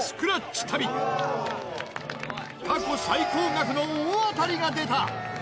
過去最高額の大当たりが出た